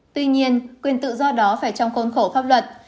tuy nhiên quyền tự do đó phải trong khuôn khổ pháp luật